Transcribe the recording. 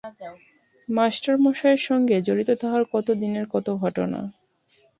মাস্টারমশায়ের সঙ্গে জড়িত তাহার কত দিনের কত ঘটনা।